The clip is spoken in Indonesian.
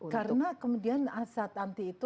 karena kemudian asat anti itu